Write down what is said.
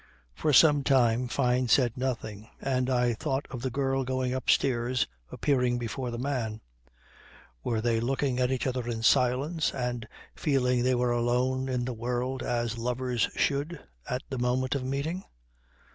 For some time Fyne said nothing; and I thought of the girl going upstairs, appearing before the man. Were they looking at each other in silence and feeling they were alone in the world as lovers should at the moment of meeting?